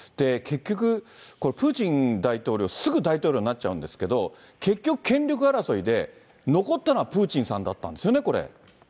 結局、プーチン大統領、すぐ大統領になっちゃうんですけど、結局権力争いで、残ったのはプーチンさんだったんですよね、これ。